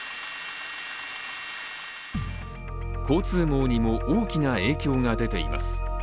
交通網にも大きな影響が出ています。